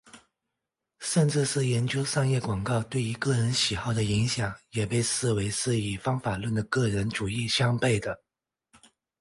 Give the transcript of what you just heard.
甚至是研究商业广告对于个人喜好的影响也被视为是与方法论的个人主义相背的。